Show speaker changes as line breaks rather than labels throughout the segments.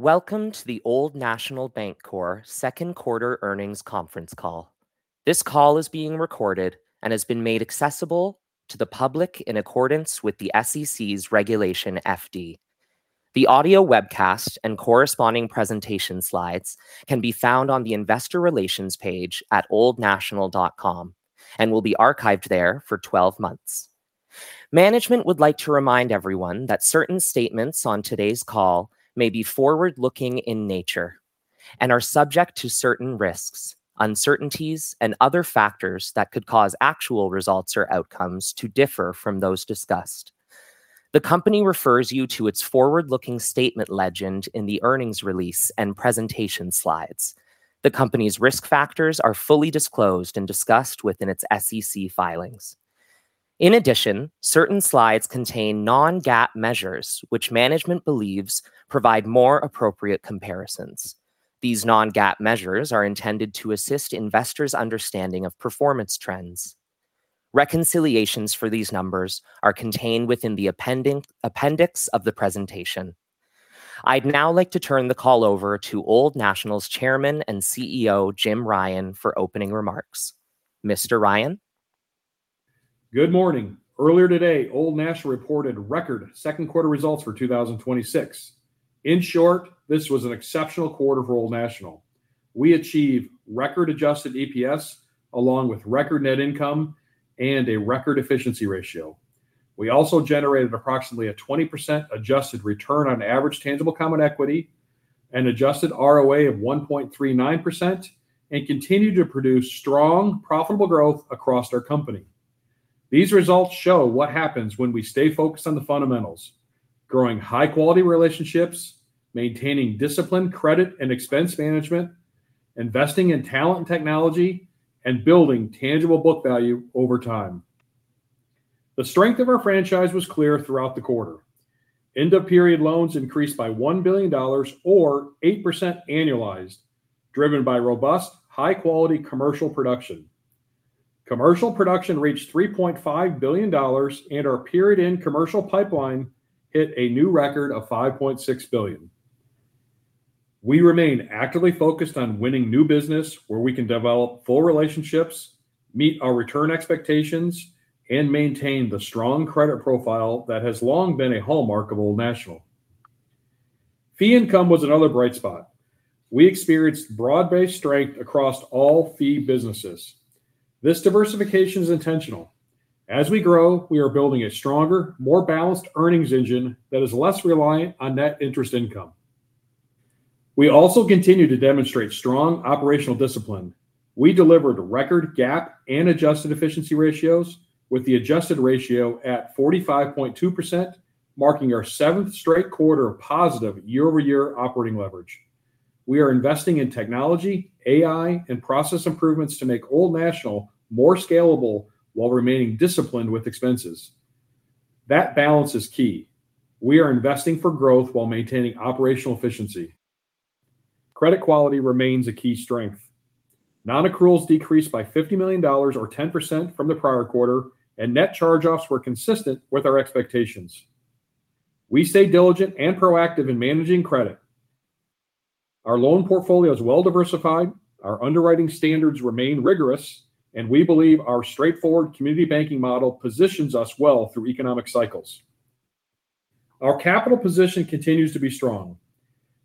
Welcome to the Old National Bank second quarter earnings conference call. This call is being recorded and has been made accessible to the public in accordance with the SEC's Regulation FD. The audio webcast and corresponding presentation slides can be found on the investor relations page at oldnational.com and will be archived there for 12 months. Management would like to remind everyone that certain statements on today's call may be forward-looking in nature and are subject to certain risks, uncertainties and other factors that could cause actual results or outcomes to differ from those discussed. The company refers you to its forward-looking statement legend in the earnings release and presentation slides. The company's risk factors are fully disclosed and discussed within its SEC filings. In addition, certain slides contain non-GAAP measures which management believes provide more appropriate comparisons. These non-GAAP measures are intended to assist investors' understanding of performance trends. Reconciliations for these numbers are contained within the appendix of the presentation. I'd now like to turn the call over to Old National's Chairman and CEO, Jim Ryan, for opening remarks. Mr. Ryan?
Good morning. Earlier today, Old National reported record second quarter results for 2026. In short, this was an exceptional quarter for Old National. We achieved record adjusted EPS along with record net income and a record efficiency ratio. We also generated approximately a 20% adjusted return on average tangible common equity, an adjusted ROA of 1.39%, and continue to produce strong, profitable growth across our company. These results show what happens when we stay focused on the fundamentals, growing high-quality relationships, maintaining disciplined credit and expense management, investing in talent and technology, and building tangible book value over time. The strength of our franchise was clear throughout the quarter. End-of-period loans increased by $1 billion, or 8% annualized, driven by robust, high-quality commercial production. Commercial production reached $3.5 billion and our period-end commercial pipeline hit a new record of $5.6 billion. We remain actively focused on winning new business where we can develop full relationships, meet our return expectations, and maintain the strong credit profile that has long been a hallmark of Old National. Fee income was another bright spot. We experienced broad-based strength across all fee businesses. This diversification is intentional. As we grow, we are building a stronger, more balanced earnings engine that is less reliant on net interest income. We also continue to demonstrate strong operational discipline. We delivered record GAAP and adjusted efficiency ratios with the adjusted ratio at 45.2%, marking our seventh straight quarter of positive year-over-year operating leverage. We are investing in technology, AI, and process improvements to make Old National more scalable while remaining disciplined with expenses. That balance is key. We are investing for growth while maintaining operational efficiency. Credit quality remains a key strength. Non-accruals decreased by $50 million, or 10% from the prior quarter. Net Charge-Offs were consistent with our expectations. We stay diligent and proactive in managing credit. Our loan portfolio is well-diversified. Our underwriting standards remain rigorous, and we believe our straightforward community banking model positions us well through economic cycles. Our capital position continues to be strong.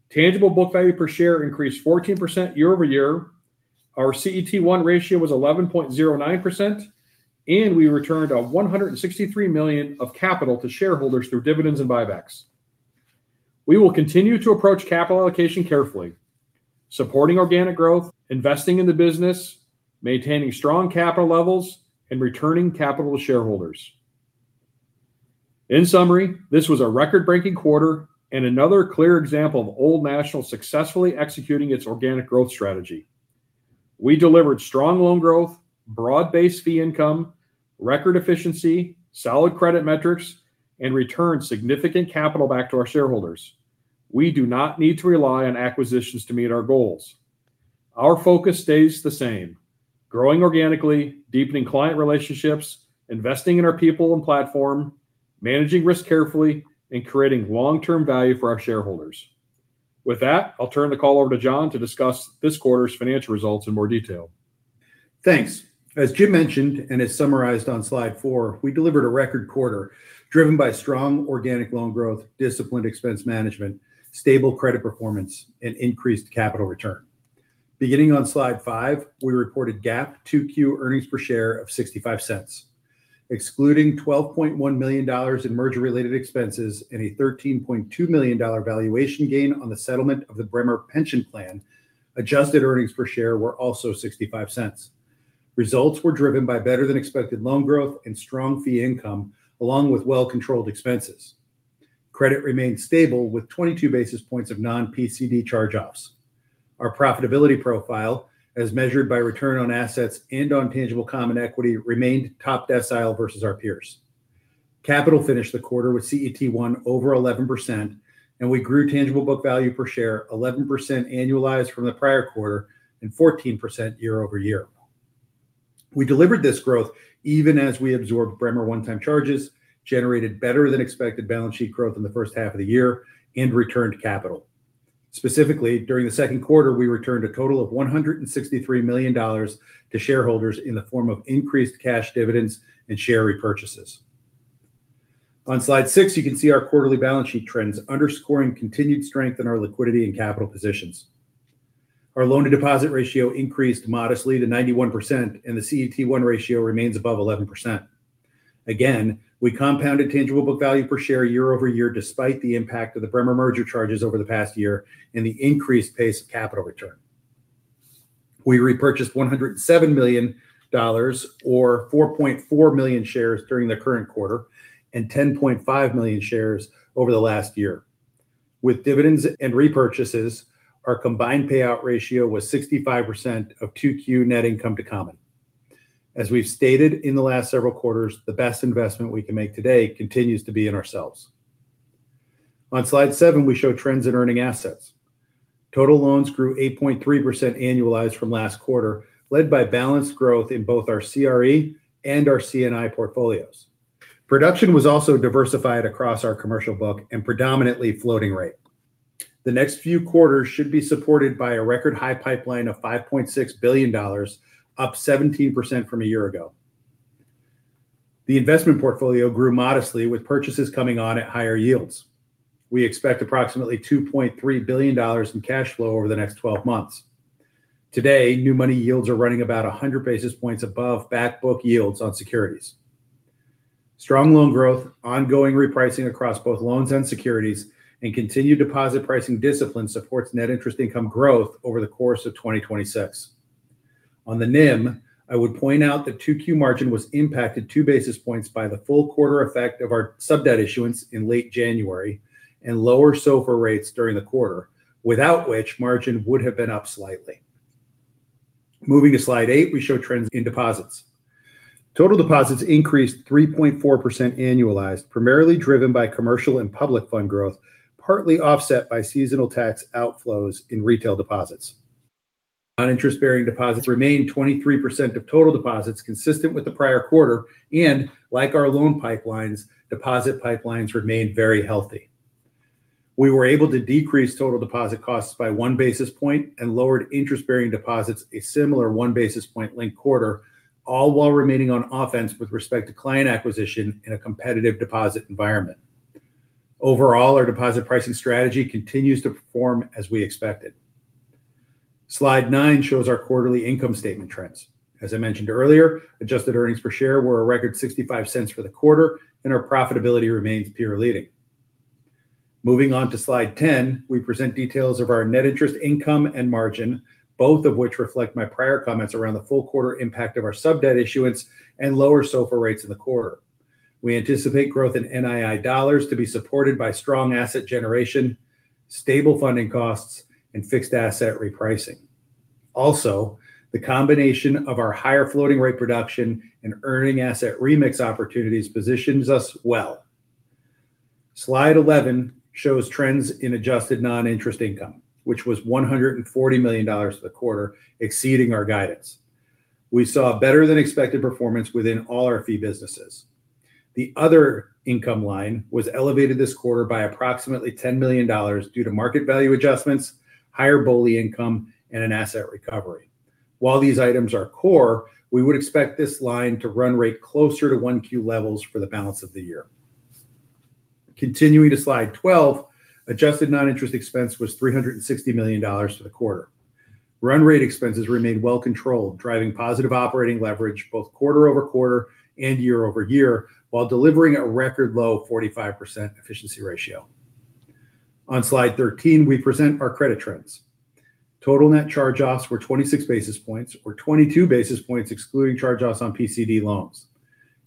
Tangible book value per share increased 14% year-over-year. Our CET1 ratio was 11.09%, and we returned $163 million of capital to shareholders through dividends and buybacks. We will continue to approach capital allocation carefully, supporting organic growth, investing in the business, maintaining strong capital levels, and returning capital to shareholders. In summary, this was a record-breaking quarter and another clear example of Old National successfully executing its organic growth strategy. We delivered strong loan growth, broad-based fee income, record efficiency, solid credit metrics, and returned significant capital back to our shareholders. We do not need to rely on acquisitions to meet our goals. Our focus stays the same, growing organically, deepening client relationships, investing in our people and platform, managing risk carefully, and creating long-term value for our shareholders. With that, I'll turn the call over to John to discuss this quarter's financial results in more detail.
Thanks. As Jim mentioned and is summarized on slide four, we delivered a record quarter driven by strong organic loan growth, disciplined expense management, stable credit performance, and increased capital return. Beginning on slide five, we reported GAAP 2Q earnings per share of $0.65. Excluding $12.1 million in merger-related expenses and a $13.2 million valuation gain on the settlement of the Bremer pension plan, adjusted earnings per share were also $0.65. Results were driven by better-than-expected loan growth and strong fee income, along with well-controlled expenses. Credit remained stable with 22 basis points of non-PCD charge-offs. Our profitability profile, as measured by return on assets and on tangible common equity, remained top decile versus our peers. Capital finished the quarter with CET1 over 11%. We grew tangible book value per share 11% annualized from the prior quarter and 14% year-over-year. We delivered this growth even as we absorbed Bremer one-time charges, generated better than expected balance sheet growth in the first half of the year, and returned capital. Specifically, during the second quarter, we returned a total of $163 million to shareholders in the form of increased cash dividends and share repurchases. On slide six, you can see our quarterly balance sheet trends underscoring continued strength in our liquidity and capital positions. Our loan-to-deposit ratio increased modestly to 91%, and the CET1 ratio remains above 11%. Again, we compounded tangible book value per share year-over-year, despite the impact of the Bremer merger charges over the past year and the increased pace of capital return. We repurchased $107 million or 4.4 million shares during the current quarter and 10.5 million shares over the last year. With dividends and repurchases, our combined payout ratio was 65% of 2Q net income to common. As we've stated in the last several quarters, the best investment we can make today continues to be in ourselves. On slide seven, we show trends in earning assets. Total loans grew 8.3% annualized from last quarter, led by balanced growth in both our CRE and our C&I portfolios. Production was also diversified across our commercial book and predominantly floating rate. The next few quarters should be supported by a record high pipeline of $5.6 billion, up 17% from a year ago. The investment portfolio grew modestly with purchases coming on at higher yields. We expect approximately $2.3 billion in cash flow over the next 12 months. Today, new money yields are running about 100 basis points above back book yields on securities. Strong loan growth, ongoing repricing across both loans and securities, and continued deposit pricing discipline supports net interest income growth over the course of 2026. On the NIM, I would point out that 2Q margin was impacted two basis points by the full quarter effect of our sub debt issuance in late January and lower SOFR rates during the quarter. Without which, margin would have been up slightly. Moving to slide eight, we show trends in deposits. Total deposits increased 3.4% annualized, primarily driven by commercial and public fund growth, partly offset by seasonal tax outflows in retail deposits. Non-interest-bearing deposits remained 23% of total deposits consistent with the prior quarter, and like our loan pipelines, deposit pipelines remained very healthy. We were able to decrease total deposit costs by one basis point and lowered interest-bearing deposits a similar one basis point linked quarter, all while remaining on offense with respect to client acquisition in a competitive deposit environment. Overall, our deposit pricing strategy continues to perform as we expected. Slide nine shows our quarterly income statement trends. As I mentioned earlier, adjusted earnings per share were a record $0.65 for the quarter, and our profitability remains peer leading. Moving on to slide 10, we present details of our net interest income and margin, both of which reflect my prior comments around the full quarter impact of our sub debt issuance and lower SOFR rates in the quarter. We anticipate growth in NII dollars to be supported by strong asset generation, stable funding costs, and fixed asset repricing. Also, the combination of our higher floating rate production and earning asset remix opportunities positions us well. Slide 11 shows trends in adjusted non-interest income, which was $140 million for the quarter, exceeding our guidance. We saw better than expected performance within all our fee businesses. The other income line was elevated this quarter by approximately $10 million due to market value adjustments, higher BOLI income, and an asset recovery. While these items are core, we would expect this line to run rate closer to 1Q levels for the balance of the year. Continuing to slide 12, adjusted non-interest expense was $360 million for the quarter. Run rate expenses remained well controlled, driving positive operating leverage both quarter-over-quarter and year-over-year while delivering a record low 45% efficiency ratio. On slide 13, we present our credit trends. Net Charge-Offs were 26 basis points or 22 basis points excluding charge-offs on PCD loans.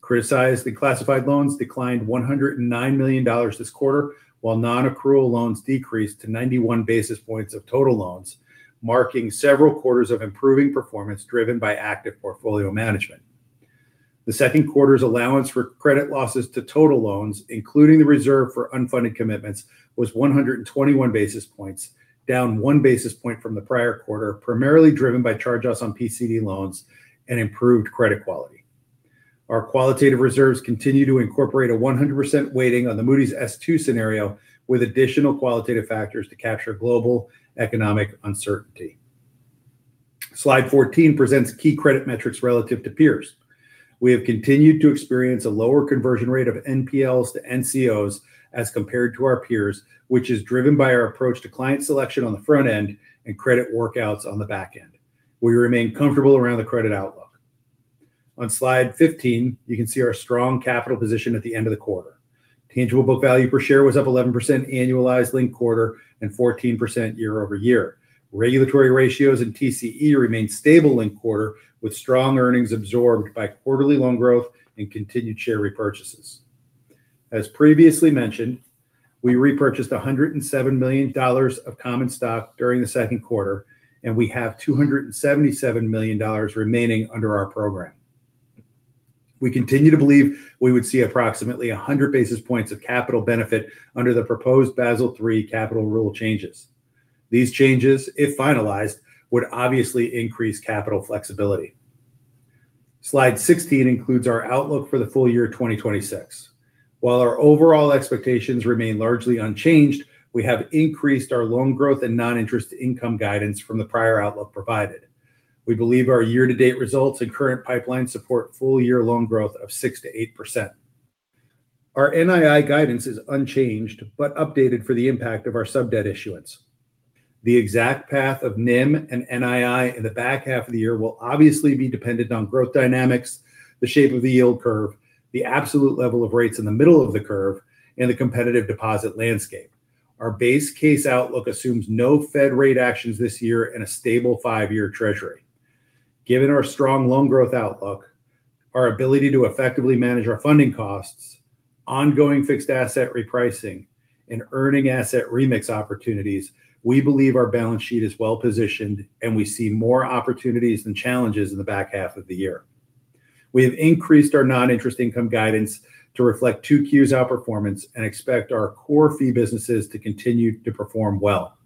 Criticized and classified loans declined $109 million this quarter, while non-accrual loans decreased to 91 basis points of total loans, marking several quarters of improving performance driven by active portfolio management. The second quarter's allowance for credit losses to total loans, including the reserve for unfunded commitments, was 121 basis points, down one basis point from the prior quarter, primarily driven by charge-offs on PCD loans and improved credit quality. Our qualitative reserves continue to incorporate a 100% weighting on the Moody's S2 scenario with additional qualitative factors to capture global economic uncertainty. Slide 14 presents key credit metrics relative to peers. We have continued to experience a lower conversion rate of NPLs to NCOs as compared to our peers, which is driven by our approach to client selection on the front end and credit workouts on the back end. We remain comfortable around the credit outlook. On slide 15, you can see our strong capital position at the end of the quarter. Tangible book value per share was up 11% annualized linked quarter and 14% year-over-year. Regulatory ratios and TCE remained stable linked quarter with strong earnings absorbed by quarterly loan growth and continued share repurchases. As previously mentioned, we repurchased $107 million of common stock during the second quarter, and we have $277 million remaining under our program. We continue to believe we would see approximately 100 basis points of capital benefit under the proposed Basel III capital rule changes. These changes, if finalized, would obviously increase capital flexibility. Slide 16 includes our outlook for the full year 2026. While our overall expectations remain largely unchanged, we have increased our loan growth and non-interest income guidance from the prior outlook provided. We believe our year-to-date results and current pipeline support full-year loan growth of 6%-8%. Our NII guidance is unchanged, but updated for the impact of our sub debt issuance. The exact path of NIM and NII in the back half of the year will obviously be dependent on growth dynamics, the shape of the yield curve, the absolute level of rates in the middle of the curve, and the competitive deposit landscape. Our base case outlook assumes no Fed rate actions this year and a stable five-year treasury. Given our strong loan growth outlook, our ability to effectively manage our funding costs, ongoing fixed asset repricing, and earning asset remix opportunities, we believe our balance sheet is well-positioned and we see more opportunities than challenges in the back half of the year. We have increased our non-interest income guidance to reflect 2Q's outperformance and expect our core fee businesses to continue to perform well.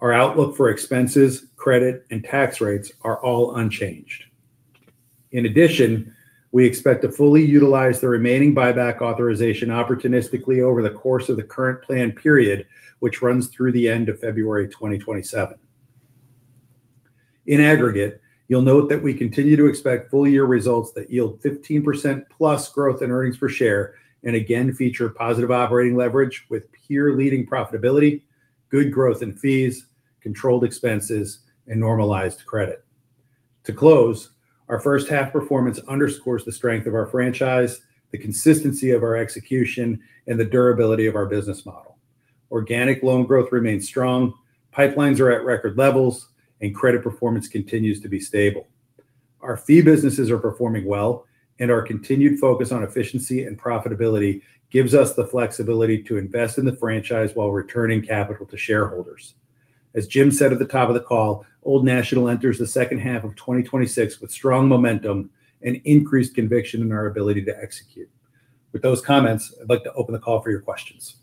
Our outlook for expenses, credit, and tax rates are all unchanged. In addition, we expect to fully utilize the remaining buyback authorization opportunistically over the course of the current plan period, which runs through the end of February 2027. In aggregate, you'll note that we continue to expect full-year results that yield 15%+ growth in earnings per share, and again, feature positive operating leverage with peer-leading profitability, good growth in fees, controlled expenses, and normalized credit. To close, our first half performance underscores the strength of our franchise, the consistency of our execution, and the durability of our business model. Organic loan growth remains strong, pipelines are at record levels, and credit performance continues to be stable. Our fee businesses are performing well, and our continued focus on efficiency and profitability gives us the flexibility to invest in the franchise while returning capital to shareholders. As Jim said at the top of the call, Old National enters the second half of 2026 with strong momentum and increased conviction in our ability to execute. With those comments, I'd like to open the call for your questions.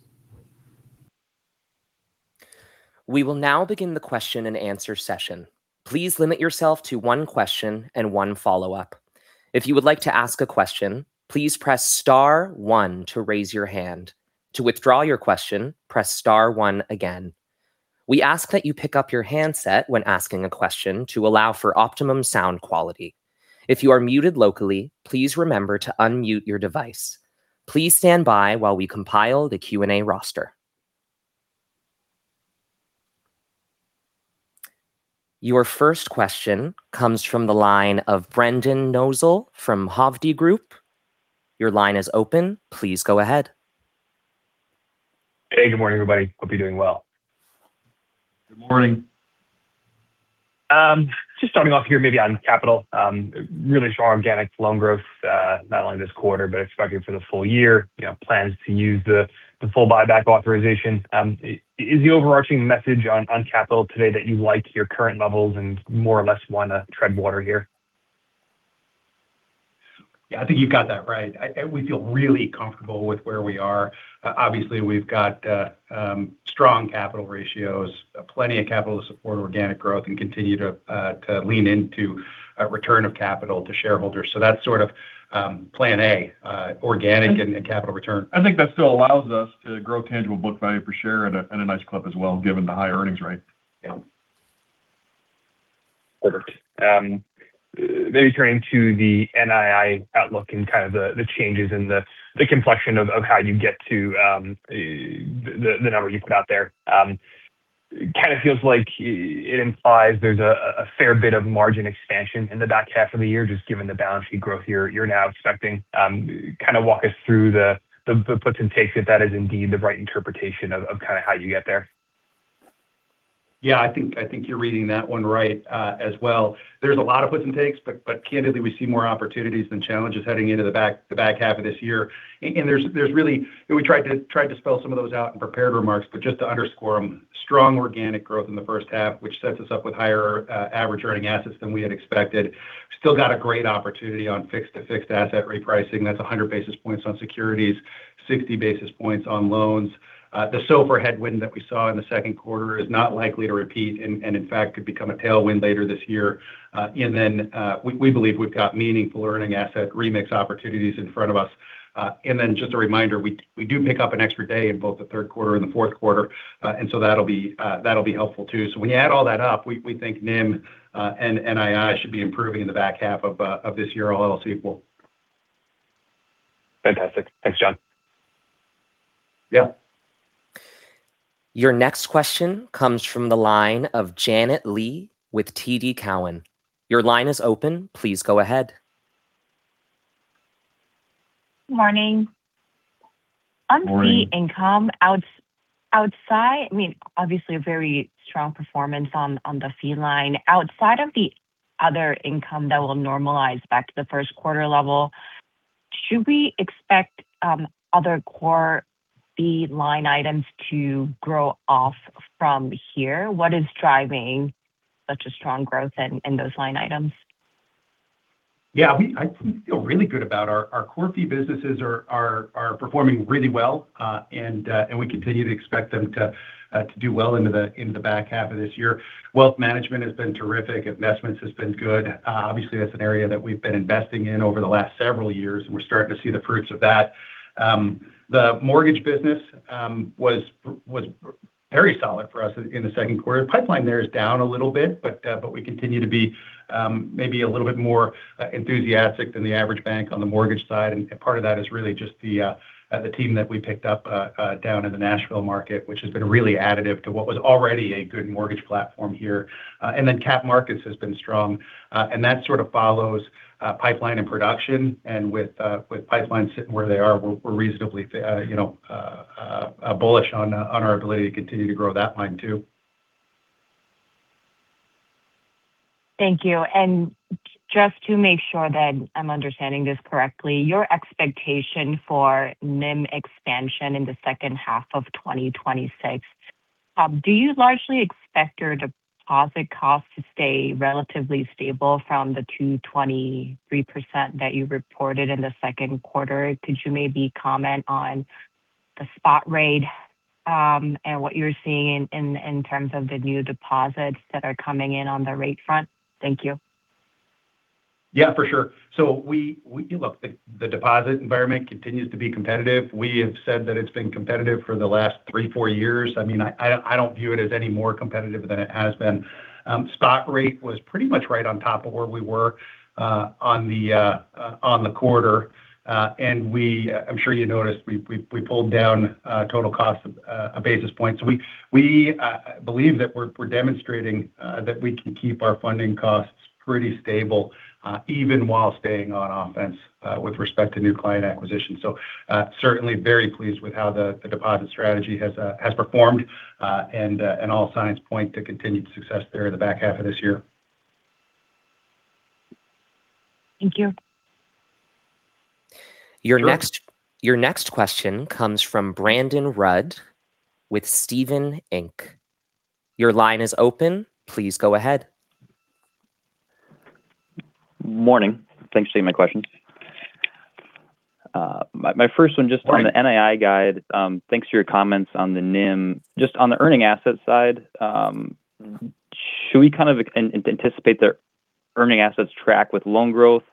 We will now begin the question and answer session. Please limit yourself to one question and one follow-up. If you would like to ask a question, please press star one to raise your hand. To withdraw your question, press star one again. We ask that you pick up your handset when asking a question to allow for optimum sound quality. If you are muted locally, please remember to unmute your device. Please stand by while we compile the Q&A roster. Your first question comes from the line of Brendan Nosal from Hovde Group. Your line is open. Please go ahead.
Hey, good morning, everybody. Hope you're doing well.
Good morning.
Just starting off here maybe on capital. Really strong organic loan growth, not only this quarter, but expected for the full year. Plans to use the full buyback authorization. Is the overarching message on capital today that you like your current levels and more or less want to tread water here?
Yeah, I think you've got that right. We feel really comfortable with where we are. Obviously, we've got strong capital ratios, plenty of capital to support organic growth and continue to lean into a return of capital to shareholders. That's sort of plan A, organic and capital return.
I think that still allows us to grow tangible book value per share at a nice clip as well, given the high earnings rate.
Perfect. Maybe turning to the NII outlook and kind of the changes in the complexion of how you get to the number you put out there. Kind of feels like it implies there's a fair bit of margin expansion in the back half of the year, just given the balance sheet growth you're now expecting. Kind of walk us through the puts and takes if that is indeed the right interpretation of how you get there.
Yeah, I think you're reading that one right as well. There's a lot of puts and takes, but candidly, we see more opportunities than challenges heading into the back half of this year. There's really, we tried to spell some of those out in prepared remarks, but just to underscore them. Strong organic growth in the first half, which sets us up with higher average earning assets than we had expected. Still got a great opportunity on fixed to fixed asset repricing. That's 100 basis points on securities, 60 basis points on loans. The SOFR headwind that we saw in the second quarter is not likely to repeat and in fact, could become a tailwind later this year. We believe we've got meaningful earning asset remix opportunities in front of us. Just a reminder, we do pick up an extra day in both the third quarter and the fourth quarter. That'll be helpful too. When you add all that up, we think NIM and NII should be improving in the back half of this year all else equal.
Fantastic. Thanks, John.
Yeah.
Your next question comes from the line of Janet Lee with TD Cowen. Your line is open. Please go ahead.
Morning.
Morning.
On fee income, I mean, obviously a very strong performance on the fee line. Outside of the other income that will normalize back to the first quarter level. Should we expect other core fee line items to grow off from here? What is driving such a strong growth in those line items?
Yeah. We feel really good about our core fee businesses are performing really well, and we continue to expect them to do well into the back half of this year. Wealth management has been terrific. Investments has been good. Obviously, that's an area that we've been investing in over the last several years, and we're starting to see the fruits of that. The mortgage business was very solid for us in the second quarter. Pipeline there is down a little bit, but we continue to be maybe a little bit more enthusiastic than the average bank on the mortgage side, and part of that is really just the team that we picked up down in the Nashville market, which has been really additive to what was already a good mortgage platform here. Capital markets has been strong, and that sort of follows pipeline and production. With pipelines sitting where they are, we're reasonably bullish on our ability to continue to grow that line, too.
Thank you. Just to make sure that I'm understanding this correctly, your expectation for NIM expansion in the second half of 2026, do you largely expect your deposit cost to stay relatively stable from the 2.23% that you reported in the second quarter? Could you maybe comment on the spot rate and what you're seeing in terms of the new deposits that are coming in on the rate front? Thank you.
Yeah, for sure. Look, the deposit environment continues to be competitive. We have said that it's been competitive for the last three, four years. I don't view it as any more competitive than it has been. Spot rate was pretty much right on top of where we were on the quarter. I'm sure you noticed, we pulled down total cost a basis point. We believe that we're demonstrating that we can keep our funding costs pretty stable, even while staying on offense with respect to new client acquisition. Certainly very pleased with how the deposit strategy has performed, and all signs point to continued success there in the back half of this year.
Thank you.
Your next question comes from Brandon Rud with Stephens Inc. Your line is open. Please go ahead.
Morning. Thanks for taking my questions. My first one just on the NII guide. Thanks for your comments on the NIM. Just on the earning asset side, should we kind of anticipate that earning assets track with loan growth,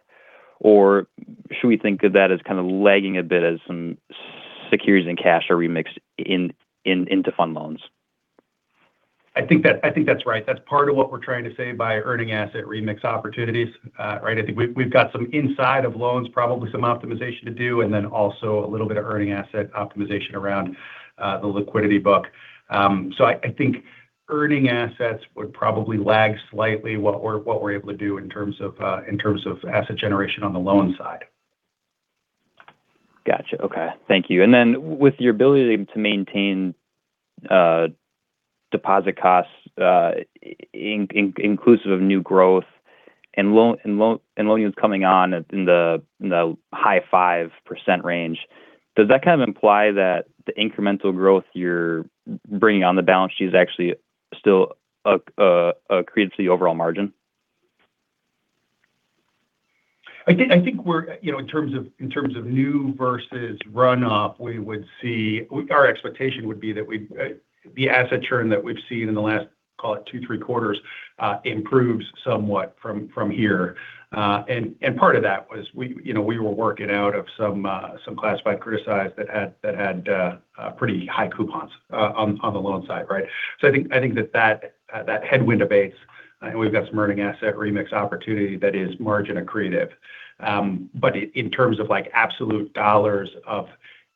or should we think of that as kind of lagging a bit as some securities and cash are remixed into fund loans?
I think that's right. That's part of what we're trying to say by earning asset remix opportunities. I think we've got some inside of loans, probably some optimization to do, and then also a little bit of earning asset optimization around the liquidity book. I think earning assets would probably lag slightly what we're able to do in terms of asset generation on the loan side.
Got you. Okay. Thank you. With your ability to maintain deposit costs inclusive of new growth and loans coming on in the high 5% range, does that kind of imply that the incremental growth you're bringing on the balance sheet is actually still accretive to the overall margin?
I think in terms of new versus runoff, our expectation would be that the asset churn that we've seen in the last, call it two, three quarters, improves somewhat from here. Part of that was we were working out of some classified criticized that had pretty high coupons on the loan side, right? I think that headwind abates, and we've got some earning asset remix opportunity that is margin accretive. In terms of absolute dollars of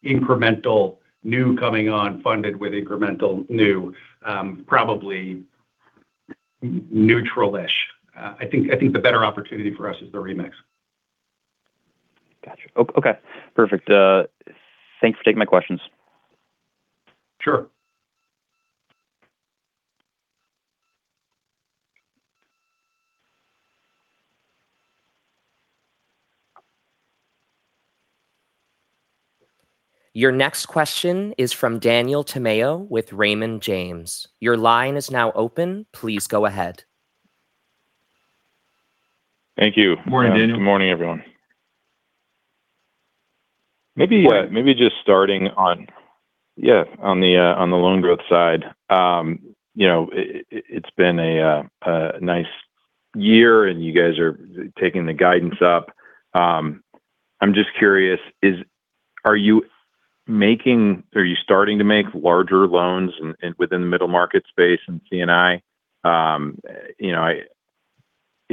incremental new coming on, funded with incremental new, probably neutral-ish. I think the better opportunity for us is the remix.
Got you. Okay, perfect. Thanks for taking my questions.
Sure.
Your next question is from Daniel Tamayo with Raymond James. Your line is now open. Please go ahead.
Thank you.
Morning, Daniel.
Good morning, everyone. Just starting on the loan growth side. It's been a nice year, you guys are taking the guidance up. I'm just curious, are you starting to make larger loans within the middle market space in C&I?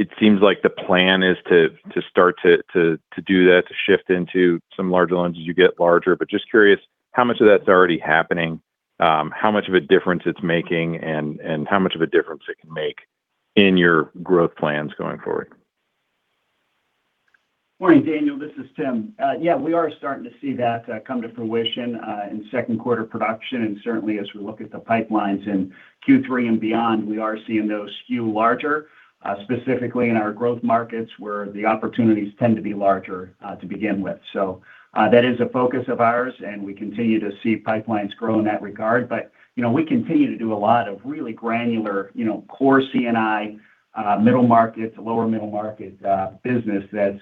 It seems like the plan is to start to do that, to shift into some larger loans as you get larger. Just curious how much of that's already happening, how much of a difference it's making, and how much of a difference it can make in your growth plans going forward?
Morning, Daniel. This is Tim. We are starting to see that come to fruition in second quarter production. Certainly as we look at the pipelines in Q3 and beyond, we are seeing those skew larger, specifically in our growth markets where the opportunities tend to be larger to begin with. That is a focus of ours, we continue to see pipelines grow in that regard. We continue to do a lot of really granular core C&I middle market to lower middle market business that's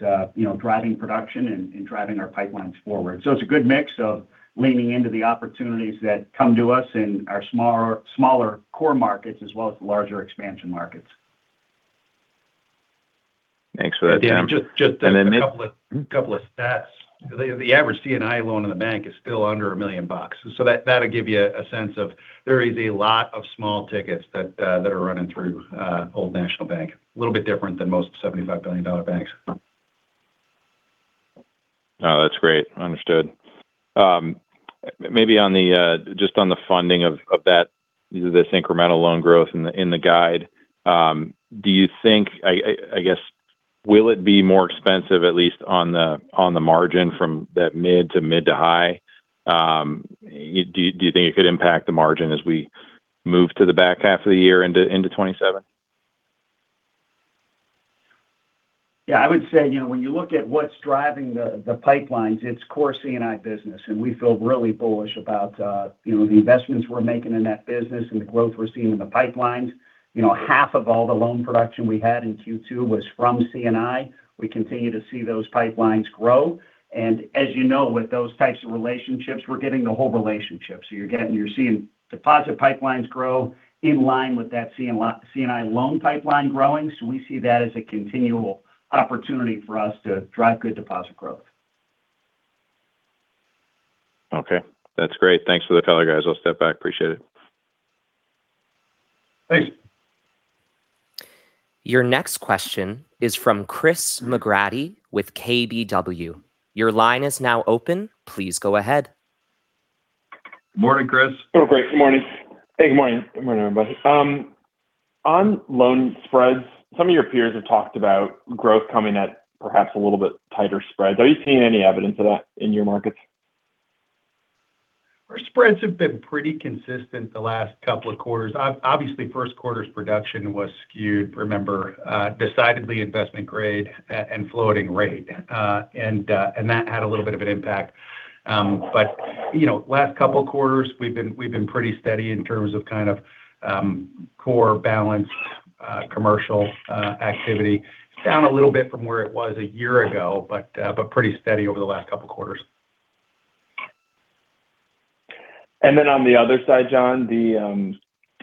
driving production and driving our pipelines forward. It's a good mix of leaning into the opportunities that come to us in our smaller core markets as well as the larger expansion markets.
Thanks for that, Tim.
Just a couple of stats. The average C&I loan in the bank is still under $1 million. That'll give you a sense of, there is a lot of small tickets that are running through Old National Bank. A little bit different than most $75 billion banks.
No, that's great. Understood. Maybe just on the funding of that, this incremental loan growth in the guide. Do you think, will it be more expensive, at least on the margin from that mid to mid to high? Do you think it could impact the margin as we move to the back half of the year into 2027?
I would say, when you look at what's driving the pipelines, it's core C&I business. We feel really bullish about the investments we're making in that business and the growth we're seeing in the pipelines. Half of all the loan production we had in Q2 was from C&I. We continue to see those pipelines grow. As you know, with those types of relationships, we're getting the whole relationship. You're seeing deposit pipelines grow in line with that C&I loan pipeline growing. We see that as a continual opportunity for us to drive good deposit growth.
That's great. Thanks for the color, guys. I'll step back. Appreciate it.
Thanks.
Your next question is from Chris McGratty with KBW. Your line is now open. Please go ahead.
Morning, Chris.
Oh, great. Good morning. Hey, good morning. Good morning, everybody. Loan spreads, some of your peers have talked about growth coming at perhaps a little bit tighter spreads. Are you seeing any evidence of that in your markets?
Our spreads have been pretty consistent the last couple of quarters. Obviously, first quarter's production was skewed, remember, decidedly investment grade and floating rate. That had a little bit of an impact. The last couple of quarters we've been pretty steady in terms of core balance commercial activity. Down a little bit from where it was a year ago, but pretty steady over the last couple of quarters.
On the other side, John,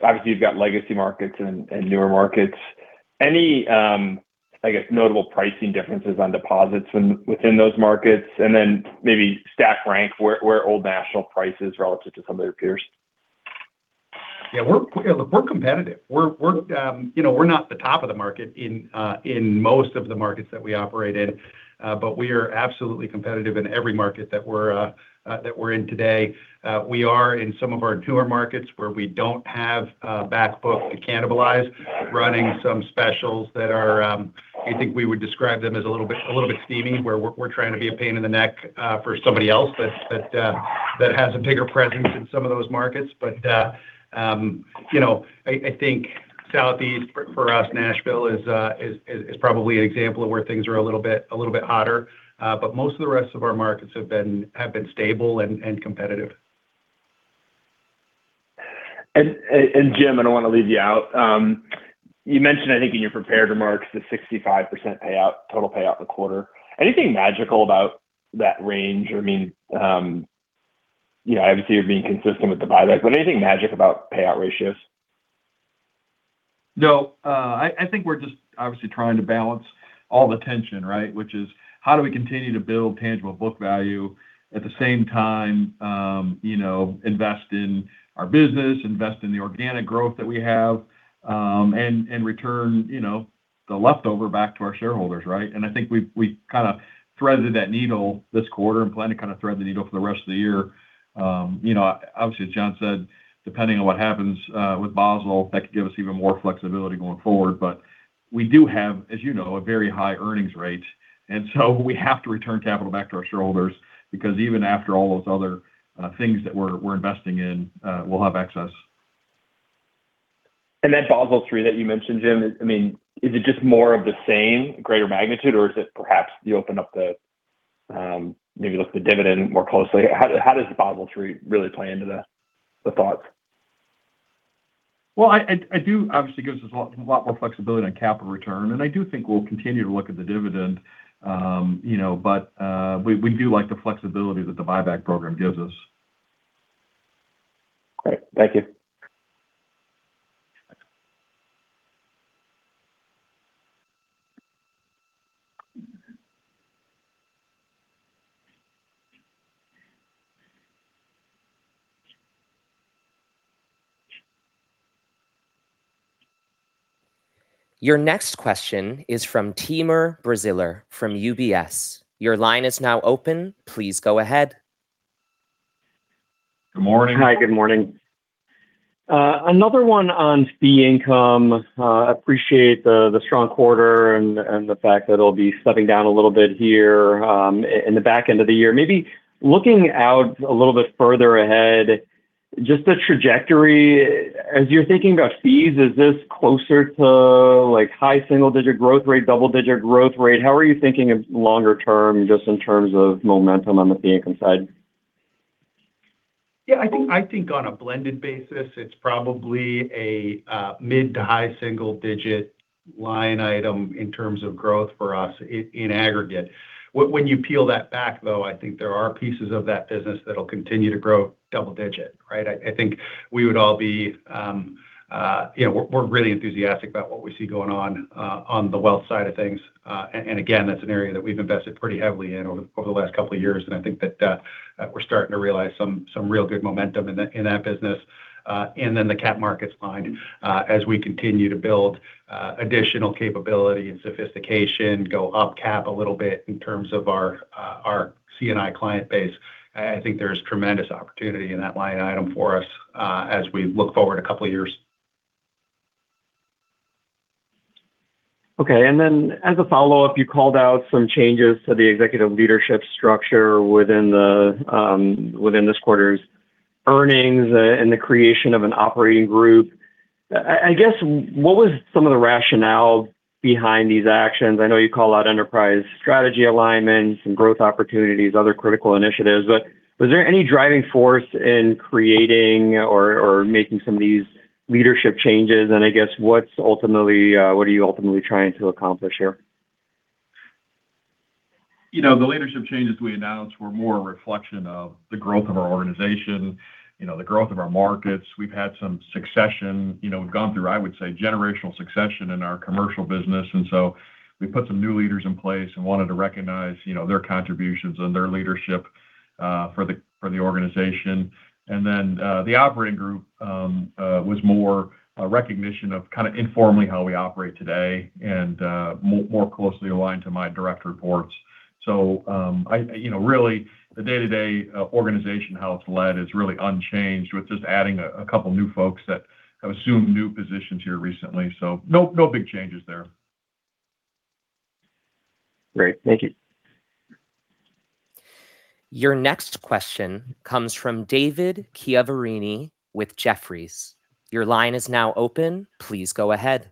obviously you've got legacy markets and newer markets. Any notable pricing differences on deposits within those markets? Maybe stack rank where Old National price is relative to some of their peers?
We're competitive. We're not the top of the market in most of the markets that we operate in. We are absolutely competitive in every market that we're in today. We are in some of our newer markets where we don't have back book to cannibalize, running some specials that I think we would describe them as a little bit steamy, where we're trying to be a pain in the neck for somebody else that has a bigger presence in some of those markets. I think Southeast for us, Nashville is probably an example of where things are a little bit hotter. Most of the rest of our markets have been stable and competitive.
Jim, I don't want to leave you out. You mentioned, I think in your prepared remarks, the 65% total payout in the quarter. Anything magical about that range? Obviously, you're being consistent with the buyback, anything magic about payout ratios?
No. I think we're just obviously trying to balance all the tension, right, which is how do we continue to build tangible book value at the same time invest in our business, invest in the organic growth that we have, and return the leftover back to our shareholders, right? I think we've kind of threaded that needle this quarter and plan to kind of thread the needle for the rest of the year. Obviously, as John said, depending on what happens with Basel that could give us even more flexibility going forward. We do have, as you know, a very high earnings rate, so we have to return capital back to our shareholders because even after all those other things that we're investing in, we'll have excess.
That Basel III that you mentioned, Jim, is it just more of the same greater magnitude or is it perhaps maybe look at the dividend more closely? How does Basel III really play into the thoughts?
It gives us a lot more flexibility on capital return, and I do think we'll continue to look at the dividend. We do like the flexibility that the buyback program gives us.
Great. Thank you.
Your next question is from Timur Braziler from UBS. Your line is now open. Please go ahead.
Good morning.
Hi, good morning. Another one on fee income. Appreciate the strong quarter and the fact that it'll be stepping down a little bit here in the back end of the year. Maybe looking out a little bit further ahead, just the trajectory as you're thinking about fees, is this closer to high single-digit growth rate, double-digit growth rate? How are you thinking longer term, just in terms of momentum on the fee income side?
Yeah. I think on a blended basis, it's probably a mid to high single digit line item in terms of growth for us in aggregate. When you peel that back, though, I think there are pieces of that business that'll continue to grow double digit. Right? I think we're really enthusiastic about what we see going on the wealth side of things. Again, that's an area that we've invested pretty heavily in over the last couple of years, and I think that we're starting to realize some real good momentum in that business. Then the capital markets line as we continue to build additional capability and sophistication go up cap a little bit in terms of our C&I client base. I think there's tremendous opportunity in that line item for us as we look forward a couple of years.
Okay. As a follow-up, you called out some changes to the executive leadership structure within this quarter's earnings and the creation of an operating group. I guess, what was some of the rationale behind these actions? I know you call out enterprise strategy alignment, some growth opportunities, other critical initiatives, but was there any driving force in creating or making some of these leadership changes? I guess, what are you ultimately trying to accomplish here?
The leadership changes we announced were more a reflection of the growth of our organization, the growth of our markets. We've had some succession. We've gone through, I would say, generational succession in our commercial business. We put some new leaders in place and wanted to recognize their contributions and their leadership for the organization. The operating group was more a recognition of kind of informally how we operate today and more closely aligned to my direct reports. Really the day-to-day organization, how it's led is really unchanged. We're just adding a couple new folks that have assumed new positions here recently, so no big changes there.
Great. Thank you.
Your next question comes from David Chiaverini with Jefferies. Your line is now open. Please go ahead.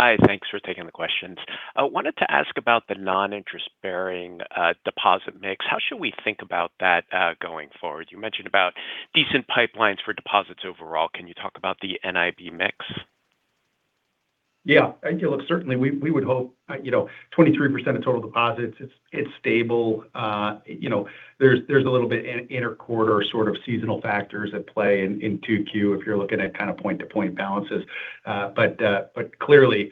Hi. Thanks for taking the questions. I wanted to ask about the non-interest bearing deposit mix. How should we think about that going forward? You mentioned about decent pipelines for deposits overall. Can you talk about the NIB mix?
Yeah. I think look, certainly we would hope 23% of total deposits, it's stable. There's a little bit inter quarter sort of seasonal factors at play in 2Q if you're looking at kind of point to point balances. Clearly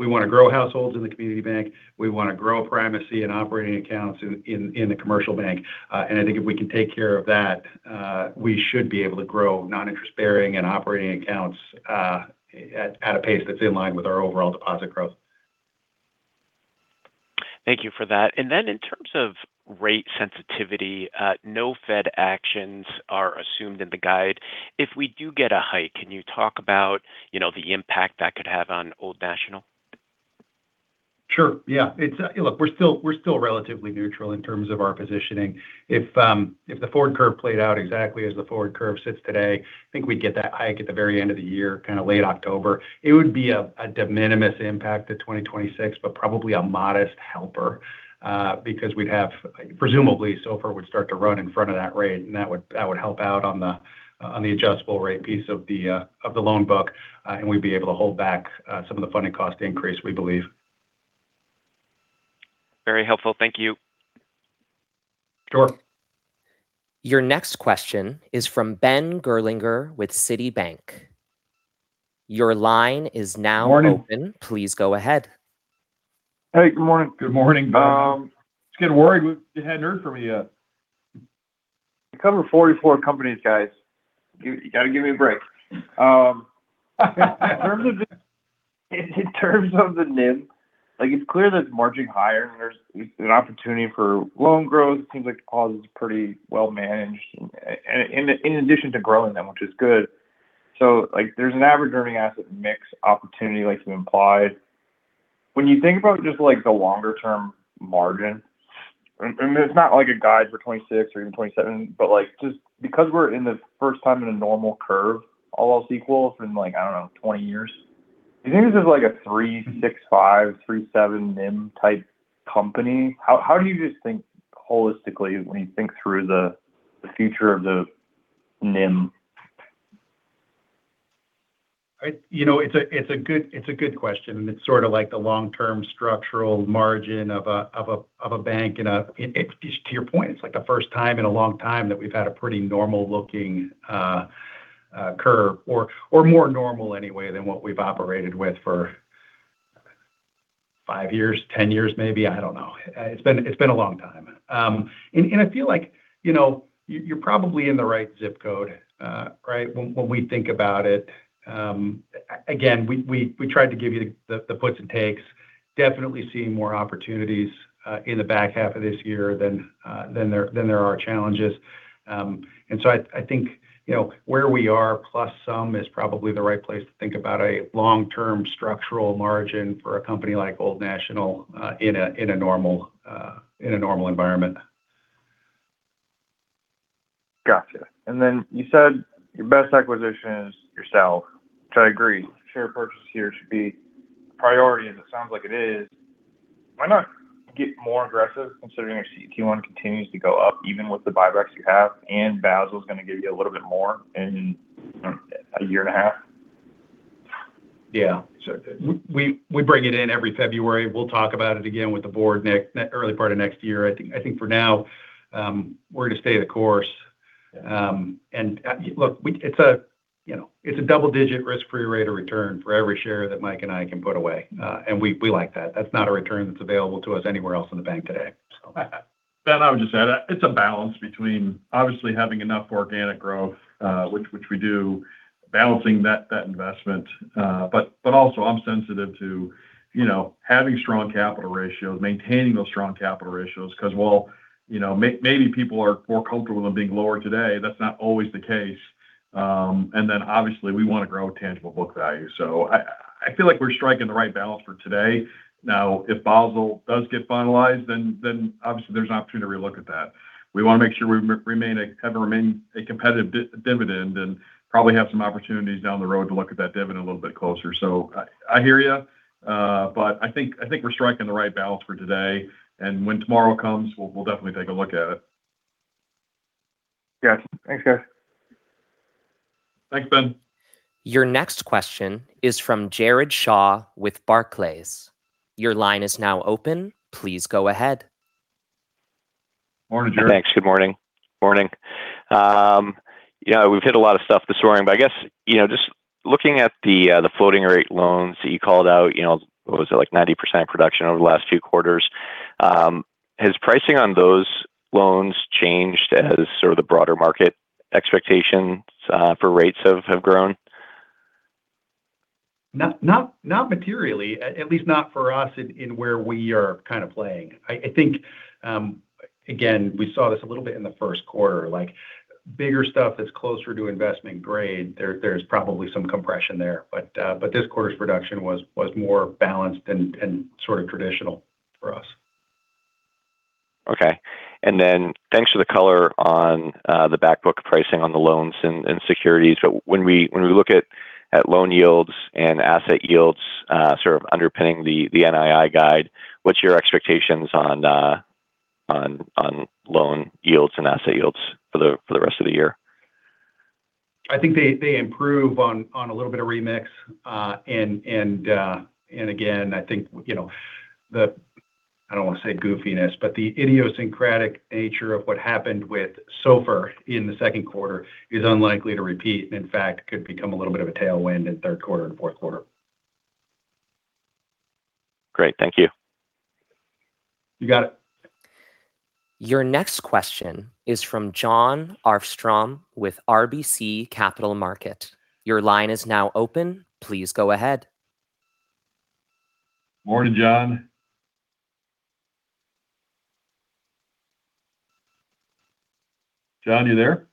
we want to grow households in the community bank. We want to grow primacy and operating accounts in the commercial bank. I think if we can take care of that, we should be able to grow non-interest bearing and operating accounts at a pace that's in line with our overall deposit growth.
Thank you for that. In terms of rate sensitivity, no Fed actions are assumed in the guide. If we do get a hike, can you talk about the impact that could have on Old National?
Sure. Yeah. Look, we're still relatively neutral in terms of our positioning. If the forward curve played out exactly as the forward curve sits today, I think we'd get that hike at the very end of the year, kind of late October. It would be a de minimis impact to 2026, but probably a modest helper because we'd have, presumably SOFR would start to run in front of that rate, and that would help out on the adjustable rate piece of the loan book. We'd be able to hold back some of the funding cost increase, we believe.
Very helpful. Thank you.
Sure.
Your next question is from Ben Gerlinger with Citi. Your line is now open.
Morning.
Please go ahead.
Hey, good morning.
Good morning, Ben.
Just getting worried. We hadn't heard from you yet. I cover 44 companies, guys. You got to give me a break. In terms of the NIM, it's clear that it's marching higher and there's an opportunity for loan growth. It seems like the cost is pretty well managed in addition to growing them, which is good. There's an average earning asset mix opportunity like you implied. When you think about just the longer term margin, and it's not like a guide for 2026 or even 2027, but just because we're in the first time in a normal curve, all else equal in like, I don't know, 20 years. Do you think this is like a 365, 37 NIM type company? How do you just think holistically when you think through the future of the NIM?
It's a good question. It's sort of like the long-term structural margin of a bank in a, to your point, it's like the first time in a long time that we've had a pretty normal looking curve or more normal anyway than what we've operated with for five years, 10 years maybe. I don't know. It's been a long time. I feel like you're probably in the right zip code, right? When we think about it. Again, we tried to give you the puts and takes. Definitely seeing more opportunities in the back half of this year than there are challenges. I think where we are plus some is probably the right place to think about a long-term structural margin for a company like Old National in a normal environment.
Got you. You said your best acquisition is yourself, which I agree. Share purchase here should be a priority, and it sounds like it is. Why not get more aggressive considering your CET1 continues to go up, even with the buybacks you have, and Basel's going to give you a little bit more in a year and a half?
Yeah. We bring it in every February. We'll talk about it again with the board early part of next year. I think for now, we're going to stay the course. Look, it's a double-digit risk-free rate of return for every share that Mike and I can put away. We like that. That's not a return that's available to us anywhere else in the bank today.
Ben, I would just add, it's a balance between obviously having enough organic growth which we do, balancing that investment. Also I'm sensitive to having strong capital ratios, maintaining those strong capital ratios because while maybe people are more comfortable with them being lower today, that's not always the case. Obviously, we want to grow tangible book value. I feel like we're striking the right balance for today. Now, if Basel does get finalized, obviously there's an opportunity to re-look at that. We want to make sure we have a competitive dividend and probably have some opportunities down the road to look at that dividend a little bit closer. I hear you, but I think we're striking the right balance for today. When tomorrow comes, we'll definitely take a look at it.
Got you. Thanks, guys.
Thanks, Ben.
Your next question is from Jared Shaw with Barclays. Your line is now open. Please go ahead.
Morning, Jared.
Thanks. Good morning. Morning. We've hit a lot of stuff this morning, but I guess just looking at the floating rate loans that you called out, what was it, like 90% reduction over the last few quarters? Has pricing on those loans changed as sort of the broader market expectations for rates have grown?
Not materially, at least not for us in where we are kind of playing. I think, again, we saw this a little bit in the first quarter. Like bigger stuff that's closer to investment grade, there's probably some compression there. This quarter's reduction was more balanced and sort of traditional for us.
Okay. Thanks for the color on the back book pricing on the loans and securities. When we look at loan yields and asset yields sort of underpinning the NII guide, what's your expectations on loan yields and asset yields for the rest of the year?
I think they improve on a little bit of remix. Again, I think I don't want to say goofiness, but the idiosyncratic nature of what happened with SOFR in the second quarter is unlikely to repeat, and in fact, could become a little bit of a tailwind in third quarter and fourth quarter.
Great. Thank you.
You got it.
Your next question is from Jon Arfstrom with RBC Capital Markets. Your line is now open. Please go ahead.
Morning, Jon. Jon, you there?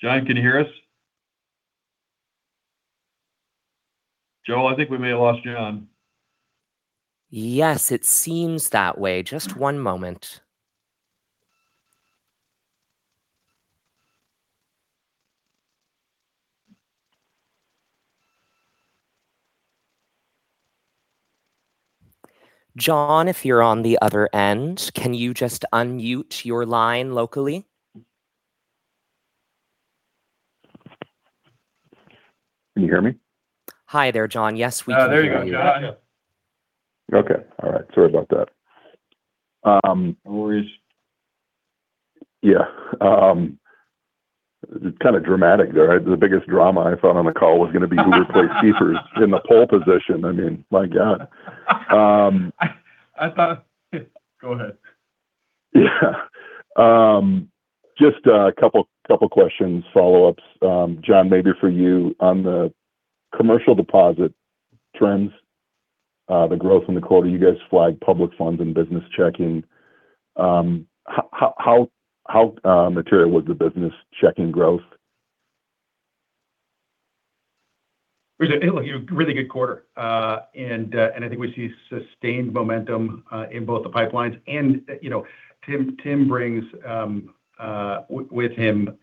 Jon, can you hear us? Joel, I think we may have lost Jon.
Yes, it seems that way. Just one moment. Jon, if you're on the other end, can you just unmute your line locally?
Can you hear me?
Hi there, Jon. Yes, we can hear you.
There you go. Got you.
Okay. All right. Sorry about that.
No worries.
Yeah. Kind of dramatic there. The biggest drama I thought on the call was going to be who would play keepers in the pole position. I mean, my God.
Go ahead.
Just a couple questions, follow-ups. John, maybe for you on the commercial deposit trends, the growth in the quarter, you guys flagged public funds and business checking. How material was the business checking growth?
It was a really good quarter. I think we see sustained momentum in both the pipelines. Tim brings with him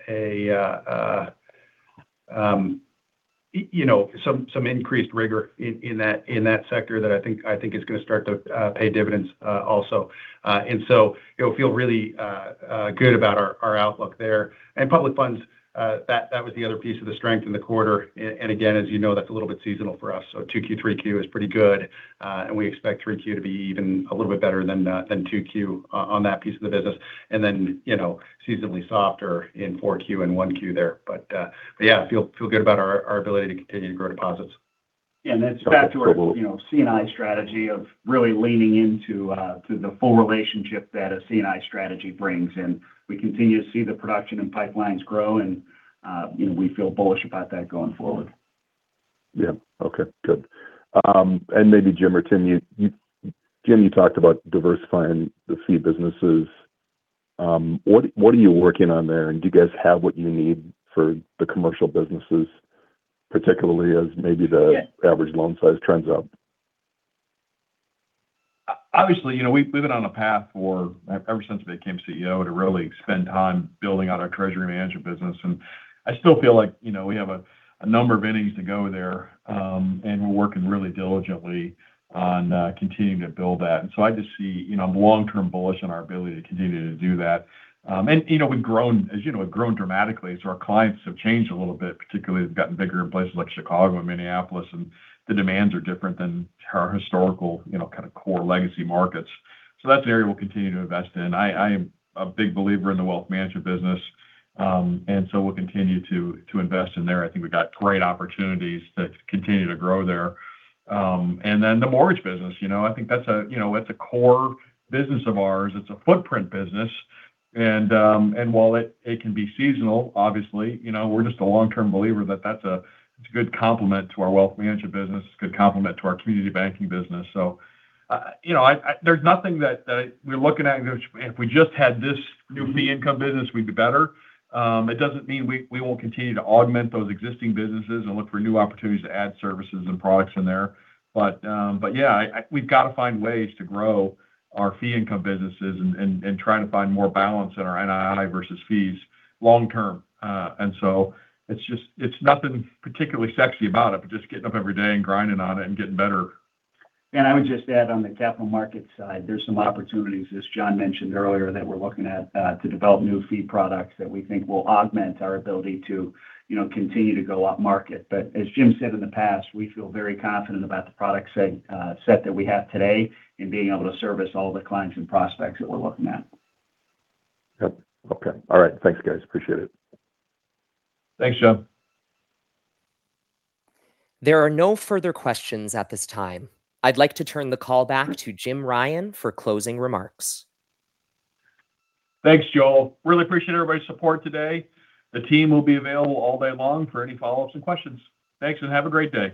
some increased rigor in that sector that I think is going to start to pay dividends also. Feel really good about our outlook there. Public funds, that was the other piece of the strength in the quarter. Again, as you know, that's a little bit seasonal for us. So 2Q, 3Q is pretty good, and we expect 3Q to be even a little bit better than 2Q on that piece of the business. Then seasonally softer in 4Q and 1Q there. Feel good about our ability to continue to grow deposits.
That's back to our C&I strategy of really leaning into the full relationship that a C&I strategy brings. We continue to see the production and pipelines grow, and we feel bullish about that going forward.
Okay, good. Maybe Jim or Tim. Jim, you talked about diversifying the fee businesses. What are you working on there? Do you guys have what you need for the commercial businesses, particularly as maybe the average loan size trends up?
Obviously, we've been on a path for, ever since I became CEO, to really spend time building out our treasury management business. I still feel like we have a number of innings to go there. We're working really diligently on continuing to build that. I just see, I'm long-term bullish on our ability to continue to do that. As you know, we've grown dramatically, so our clients have changed a little bit. Particularly, they've gotten bigger in places like Chicago and Minneapolis, and the demands are different than our historical kind of core legacy markets. That's an area we'll continue to invest in. I am a big believer in the wealth management business, we'll continue to invest in there. I think we've got great opportunities to continue to grow there. The mortgage business, I think that's a core business of ours. It's a footprint business. While it can be seasonal, obviously, we're just a long-term believer that that's a good complement to our wealth management business. It's a good complement to our community banking business. There's nothing that we're looking at in which if we just had this new fee income business, we'd do better. It doesn't mean we won't continue to augment those existing businesses and look for new opportunities to add services and products in there. Yeah, we've got to find ways to grow our fee income businesses and try to find more balance in our NII versus fees long term. It's nothing particularly sexy about it, but just getting up every day and grinding on it and getting better.
I would just add on the capital markets side, there's some opportunities, as John mentioned earlier, that we're looking at to develop new fee products that we think will augment our ability to continue to go upmarket. As Jim said in the past, we feel very confident about the product set that we have today in being able to service all the clients and prospects that we're looking at.
Yep. Okay. All right. Thanks, guys. Appreciate it.
Thanks, Jon.
There are no further questions at this time. I'd like to turn the call back to Jim Ryan for closing remarks.
Thanks, Joel. Really appreciate everybody's support today. The team will be available all day long for any follow-ups and questions. Thanks, and have a great day.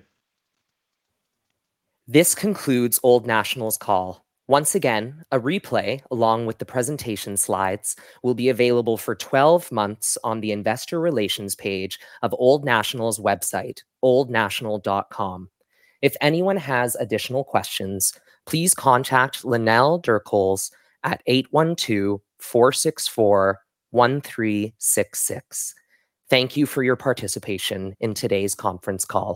This concludes Old National's call. Once again, a replay, along with the presentation slides, will be available for 12 months on the investor relations page of Old National's website, oldnational.com. If anyone has additional questions, please contact Lynell Walton at 812-464-1366. Thank you for your participation in today's conference call.